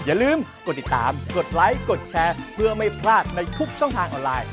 อย่าลืมกดติดตามกดไลค์กดแชร์เพื่อไม่พลาดในทุกช่องทางออนไลน์